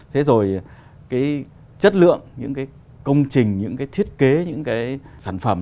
thế rồi cái chất lượng những cái công trình những cái thiết kế những cái sản phẩm